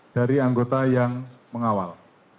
dari anggota yang mengawal